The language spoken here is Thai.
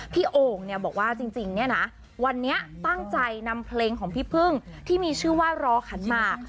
โอ่งเนี่ยบอกว่าจริงเนี่ยนะวันนี้ตั้งใจนำเพลงของพี่พึ่งที่มีชื่อว่ารอขันหมาก